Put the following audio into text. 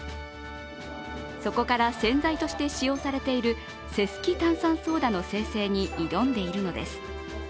そこから洗剤として使用されているセスキ炭酸ソーダの生成に挑んでいるんです。